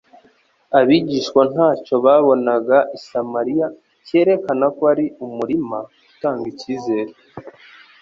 Abigishwa ntacyo babonaga i Samariya cyerekana ko ari umurima utanga icyizere.